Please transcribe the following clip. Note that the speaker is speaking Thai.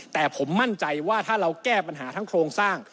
แต่ผมมั่นใจว่าถ้าเราแก้ปัญหาทั้งโครงสร้าง